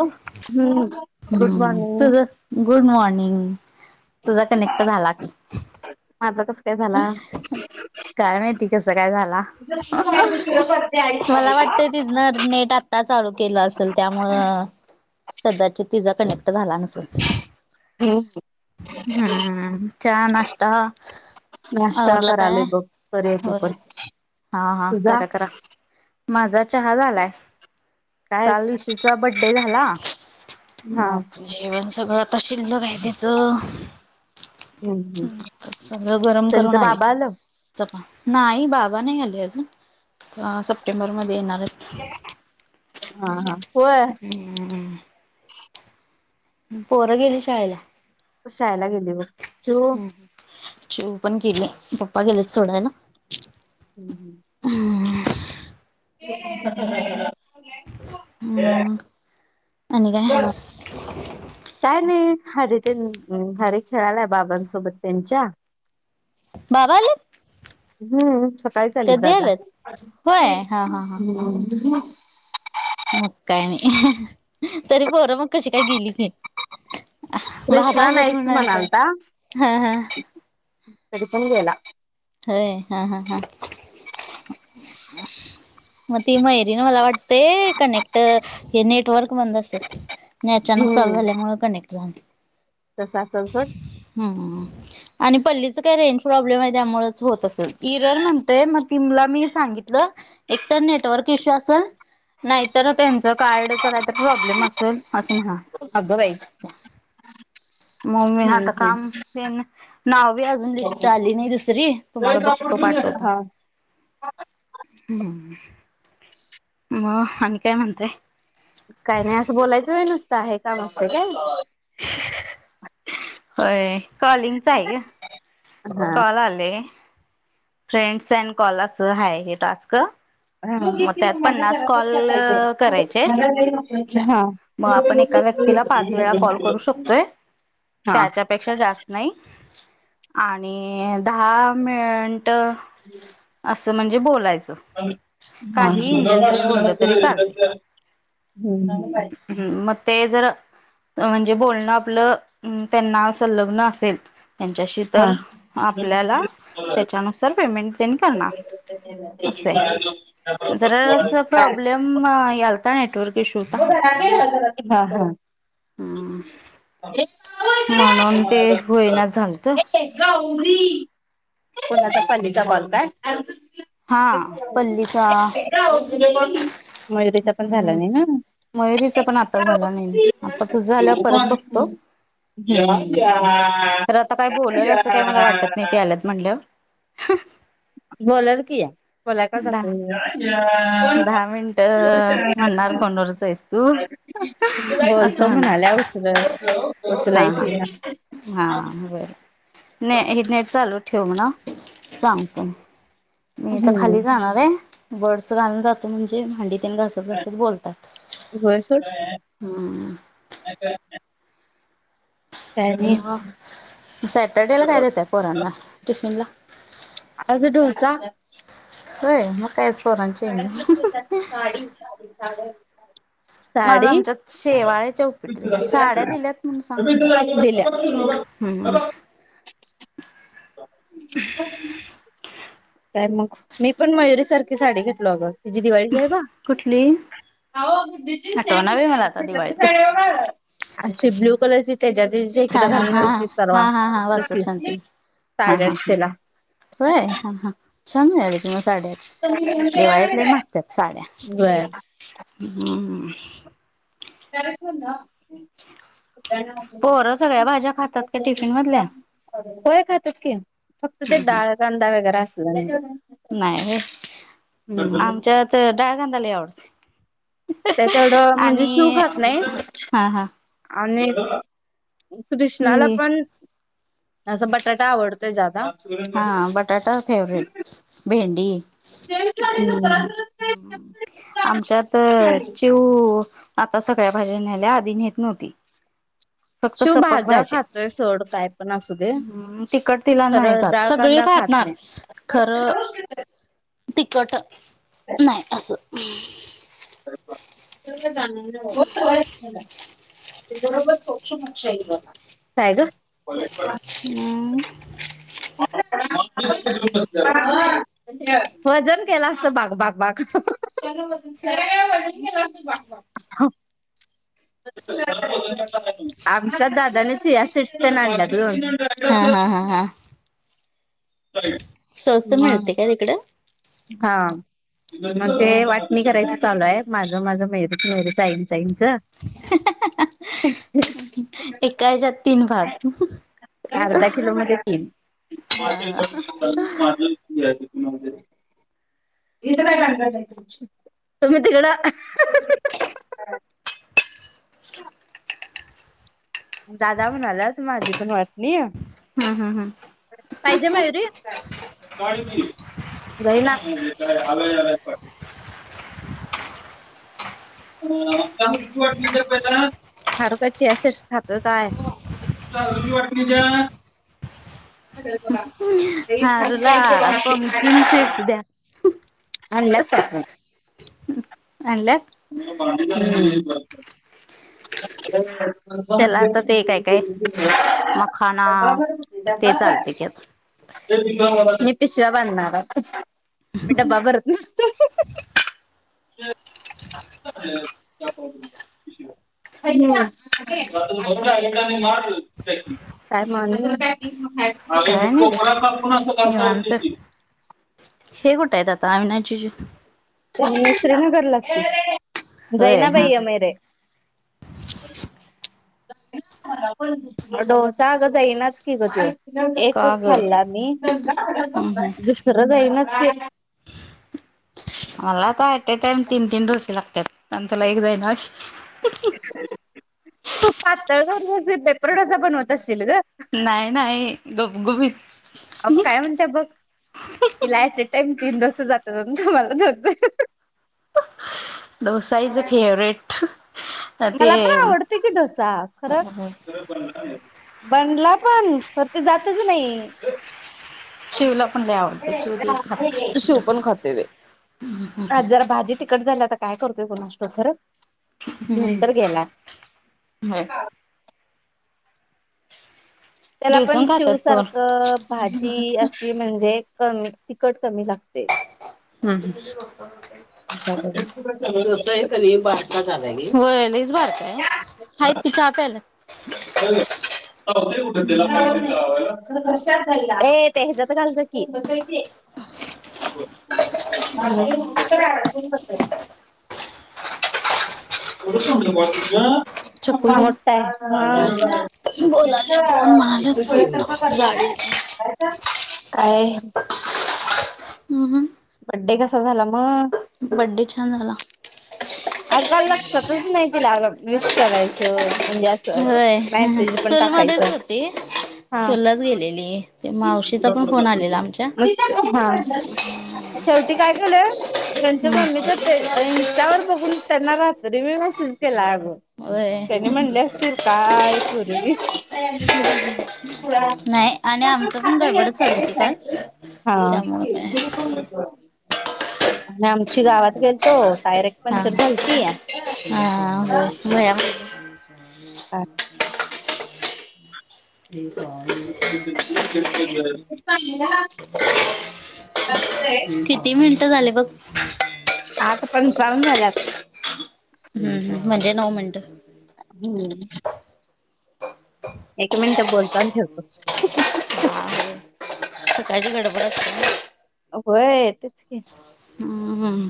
हम्म good [unintelligible] morning तझं good morning तुझा कनेक्ट झाला की. माझं कसं काय झाला? काय माहिती कसं काय झाला. मला वाटत तिच ना नेट आता चालू केलं अस त्यामुळे कदाचीत तिचा कनेक् झाला नसेल. हम्म, हम्म, चहा, नाश्ता नाश्ता आवरलं करालोय काय? बघ करूया तू हो पण हा, हा, तुझा करा करा. माझा चहा झालाय. काय काल ईशूचा बड्डे झाला. हा मग जेवण सगळंत शिल्लक आहे त्याचं. हम्म हम्म. सगळं गरम करून त्यांचं आले. बाबा आलं चपा नाही बाबा नाही आले अजून, सप्टेंबर मध्ये येणारेत. हा, हा होय हम् [unintelligible] पोरं गेली शाळेला. शाळेला गेले बघ. चिऊ चिऊ पण गेली, पप्पा गेलेच सोडायला. हम् हम् [inaudible] हम् [unintelligible] हम [unintelligible] [inaudible] काय नाही हरी ते हरी खेळालाय बाबांसोबत त्यांच्या. बाबा आलेत. हम्म, सकाळी आलेत दादा. होय हा हा हा मग काय नाही, तरी पोर मग कशी काय गेली. बाबा कृष्णा आलत नाहीच म्हणूनच म्हणालता [unintelligible] हा हा तरी पण गेला. होय, हा हा हा मग ती मैरी ना मला वाटते कनेक्ट हे नेटवर्क बंद असे. नाही अचानक चालू झाल्यामुळे कनेक्ट झाले. तसं असेल सोड हम. आणि पल्लीचं काय रेंज प्रॉब्लेम आहे त्यामुळेच होत असेल इरर म्हणतय मग तिमला मी सांगितलं एक तर नेटवर्क इश्यू असल नाहीतर त्यांचं कार्डच नाहीत प्रॉब्लेम असेल असं म्हणा अग बाई मम्मी ह हम्म तर काम देन नावी अजून लिस्ट हम्म आली नाही दुसरी तुम्हाला बघतो पाठवतो हा हम्म मग आणि काय म्हणताय काय नाही असं बोलायचं व्हय नुसता हे काम असतय काय होय कॉलिंगचा आहे ग कॉल आले फ्रेंड्स अँड कॉलस आहे हे टास्क हा तू घे की मग त्यात मला पन्नास जरासच चहा कॉल पाहिजे करायचे आहेत मला लय नकोय चहा हा मग आपण एका व्यक्तीला पाच वेळा कॉल करू शकतोय हा त्याच्यापेक्षा जास्त नाही आणि दहा मिनट हम् असं म्हणजे बोलायचं हा [inaudible] हम काही इन जनरल बोललं तरी हम्म पाहिजे. हम्म मग ते जर म्हणजे बोलणं आपलं त्यांना संलग्न असेल त्यांच्याशी हा तर आपल्याला त्याच्यानुसार पेमेंट त्यांनी करणार अस आहे मग जरासं काय? प्रॉब्लेम यालता नेटवर्क इश्यू ओ होता हा हा हो म्हणून ते इकडे होईना झालत ये ये गौरी कोणाचा पणजी चा कॉल काय हा पल्लीचा मयुरीचा पण झाला नाही ना मयुरीचा पण आता झाला नाही आता तुझा झाल्यावर परत बघतो तर आता काय बोलेल असं काही मला वाटत नाही आल्यात म्हणल्यावर बोलल की या बोलाय का जात दहा दहा मिनिटं म्हणणार फोनवरच आहेस तू असं बोलतो म्हणणार म्हणाल्या उच हा उचलायचं हा येईना हा बर ने हे नेट चालू ठेव म्हणावं सांगतो मी मी तर हम्म खाली जाणार आहे बर्डस घालून जातो म्हणजे भांडी घासत घसत बोलतात होय सोड हम्म [inaudible] काय नाही ह सॅटरडे ला काय देतय पोरांना टिफिन ला आताचा डोसा होय मग काय पोरांची चैनी चालेल आज साडी आमच्यात शेवाळ्याच्या उपीट दिल्या साड्या दिल्यात म्हणून सांग हम्म [inaudible] काय मग मी पण मयुरी सारखी साडी घेतलो अगं तिची दिवाळीच आहे बग कुठली आठवना बाई मला आता दिवाळीत कसली असे ब्ल्यू कलरची त्याच्या दीडशे इकड हा हा घालून हा मिळती सर्वा हा हा हा वास्तूक तशी शांती हा साडे हा हा आठशेला होय ह ह. छान मिळाले तुला साड्या. दिवाळीत लय महागत्यात साड्या हम्म हम. तरीच म्हणलं कुठल्या आणत्यास पोरं सगळ्या भाज्या खातात का टिफिन मधल्या होय खात्यात की फक्त ते डाळ कांदा वगैरे असल नाही. नाही हे आमच्यात डाळकांदा लय आवडते. ते तेवढं म्हणजे शिव आणि खात नाही हा हा आणि कृष्णाला ही पण असं बटाटा आवडतोय जादा. हा बटाटा फेवरेट भेंडी ते [unintelligible] हम्म [unintelligible] आमच्यात चिव आता सगळ्या भाज्या न्यायल्या आधी नेत नव्हती. फक्त शिव सपक भाज्या खातोय सोड काय पण असू दे. तिखट तिला नाही खरं जात सगळी डाळकांदा खात खाणार नाही. प [unintelligible] तिकट नाही असं. त [unintelligible] बरोबर सोक्ष मोक्ष आगे दान काय ग? हम्म [unintelligible] वजन केलं असतं बाग बाग बाग त्याला काय वजन केलं असत बाक हा [unintelligible] आमच्या दादानी चिया सिट्स तेन आणल्यात गं. हा हा हा हा तरी स्वस्त मिळते का तिकडं? हा मग ते होय वाटनी करायचं चालू आहे. माझं माझं मेहरूच मेहरुच जाइल. जायचं. एका ह्याच्यात तीन भाग अर्धा किलो मध्ये तीन तुम्ही तिकड दादा म्हणाल्यांत माझी पण वाटनी हम् हम् हम् पाहिजे मयुरी होय ना. खारुताई ची वाटणी द्या पहिला खारुताई चिया सिड्स खातोय काय? वाटणी द्या त्या बघा खारुताई चे हारुला बघा पमकिन तिकडं सीड्स द्या आणल्यात काय [unintelligible] आणल्यात मला त्याला आता ते काय काय [unintelligible] मखाना ते चालते की आता [unintelligible] मी पिशव्या बांधणार आहे. मी डब्बा भरत नसतोय [unintelligible] [unintelligible] काय नाही बघ [unintelligible] शेवटयत आता आम्ही नाय [unintelligible] तुम्ही श्रीनगरलाच की? होय जैना हा बाई हा एमेरे. [inaudible] [unintelligible] पंचवीस किलो [unintelligible] हॅलो, सागं ताई, नाच की ग तू. एक क का ग खाल्ला मी. हम्म हम्म दुसरं जाईनच गेलं. मला आता ऍट अ टाइम तीन - तीन डोसे लागत्यात. अन् तूला एक जाईना. [inaudible] [inaudible] तू पातळ [unintelligible] पेपर डोसा बनवत असशील ग? नाही, नाही. गुबगुबीत. अ [unintelligible] काय म्हणत्या, बघ? तिला ऍट अ टाइम तीन डोस जाते मनं. [unintelligible] तू [unintelligible] डोसा इज अ फेवरेट. [unintelligible] ते मला तर आवडत की डोसा. खरं. खरं. [unintelligible] बनला पण. खर तर जातच नाही. चिवला [unintelligible] पण लय आवडतो चिव दीड खात तू शिव पण डोसा खातय होय? आज जरा भाजीत तिकट झालं. आता काय करतोय, कुणास ठव?. खरं घेऊन हम्, तर गेलाय [unintelligible] हं. त्याला डिवचून पण चिव खातात पोर सारखं, भाजी अस ली म्हणजे कमी, तिकट कमी लागते. हम्म, हम्. [unintelligible] चालूच असते. बारका झालाय ग ह्यो. होय लईच बारकाय ओ. हायत की चहा प्यायल्यात. [unintelligible] [unintelligible] ये ते हेजत घालजा की. होतय ती. [unintelligible] [unintelligible] अजून कसय? कुठे कोडलं बाळ तुझं? [inaudible] छकुली तेन काय इथ बोलाल्या कोण पुढ [unintelligible] म्हणाल्यात काय जाळी काय? [unintelligible] [inaudible] ह, ह. बड्डे कसा झाला, मग? बड्डे छान झाला. अगं, लक्षातच नाही तिला विश करायचं. म्हणजे असं स होय [inaudible] मेसेज पण स्कूलमध्येच टाकायचं. होती. हा. स्कूललाच गेलेली ते मावशीचा पण फोन आलेला आमच्या [inaudible] हा. शेवटी काय केलं? यांच्या मम्मीच [inaudible] इंस्टावर बघून, त्यांना रात्री मी मेसेज केला अगं. होय त्यानि म्हणले असतील, काय पूरगी [inaudible] नाही आणि आमचं पण गडबडच चालू होती काल [unintelligible] हा [inaudible] त्यामुळे काय ह्या आम् ची गावात गेलतो. टायरेक् हा पंचर झालती. काय हा, व्हय. [inaudible] हा. [inaudible] श्री स्वामी [inaudible] उपाशी रहा चालतंय. किती मिनिटं झाले बघ. आता पण चालून झाल्यात. हम्म म्हणजे नऊ मिनिटं. हम्म. एक मिनिट बोलतोण ठेवतो. का गडबर अस. होय तेच क. हम्मम्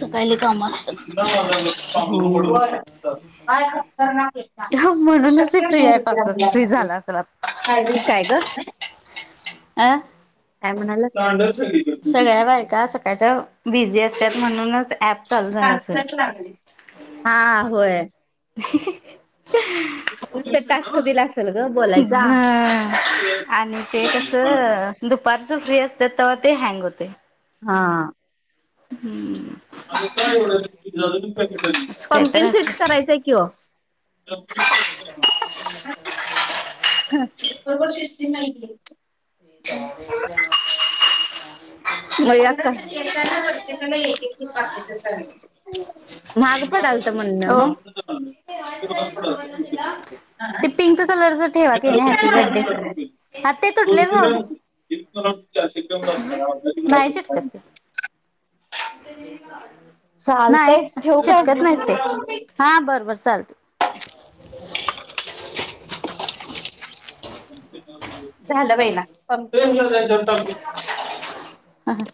सकाळीले काम असतात. [unintelligible] धनवाद का सर [unintelligible] शक्य म्हणूनच ते फ्री आहे नाही पास फ्री दुस्या झाला असेल मुला आता काय ग? आह. काय म्हणाला. सगळ्या बायका सकाळच्या बिझी असतात म्हणूनच ऍप चालू झाला असेल लागले हा होय. ह हं. पुस्त तासत दिलास. हम आणि ते कसं द पारर्स फ्री असतात तव ते हँग होतेे. हा. हम्म. [unintelligible] असं काही तर वंकिन सेट्स असं करायच की कि वो बरोबर शिस््री माहिती आहे. अछ. [unintelligible] येताना प्रत्येकाला ऐक ऐक पाकीट करायचा. महाग पडाल. तर म्हणणं हो ना [unintelligible] ते पिंक कलरच ठेवा के नाही हॅपी बर्थडे हात ते तुटले राहुदे. श नाही चिटकत ते [inaudible] नाही चालतंय ठेवू काय चिटकत नाहीत ते हा बर बर चालत. झालं बाईना [unintelligible] महिला हां हां.